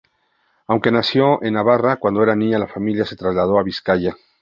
Aunque nació en Navarra, cuando era niña la familia se trasladó a Vizcaya.